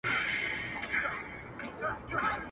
که موچي غریب سي مړ قصاب ژوندی وي.